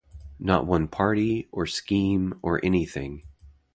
Not one party, or scheme, or anything.